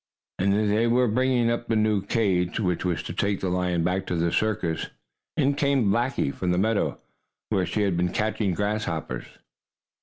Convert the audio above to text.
And as they were bringing up the new cage which was to take the lion back to the circus, in came Blackie from the meadow where she had been catching grasshoppers.